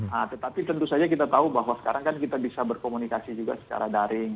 nah tetapi tentu saja kita tahu bahwa sekarang kan kita bisa berkomunikasi juga secara daring